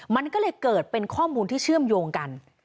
มันก็เลยเกิดเป็นข้อมูลที่เชื่อมโยงกัน